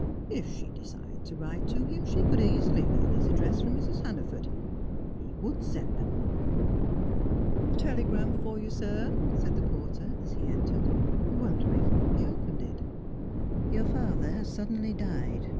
If she desired to write to him, she could easily learn his address from Mrs. Hannaford. He would send them! "A telegram for you, sir," said the porter, as he entered. Wondering, he opened it. "Your father has suddenly died.